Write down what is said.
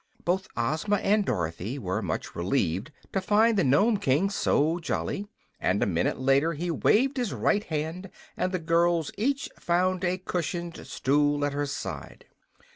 Both Ozma and Dorothy were much relieved to find the Nome King so jolly, and a minute later he waved his right hand and the girls each found a cushioned stool at her side.